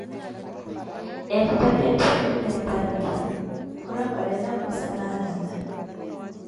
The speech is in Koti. Ettettaka etthipile ntarikhi, khurapalela khusala alala.